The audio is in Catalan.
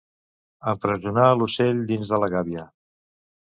Empresonar l'ocell dins la gàbia.